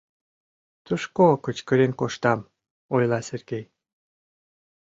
Тушко кычкырен коштам, — ойла Сергей.